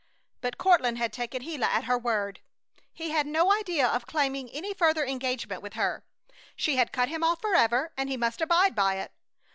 But Courtland had taken Gila at her word. He had no idea of claiming any former engagement with her. She had cut him off forever, and he must abide by it.